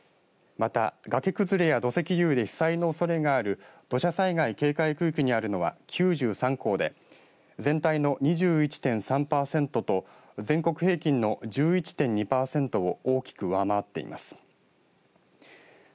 また、崖崩れや土石流で被災のおそれがある土砂災害警戒区域にあるのは９３校で全体の２１．３パーセントと全国平均の１１．２パーセントを大きく上回っています。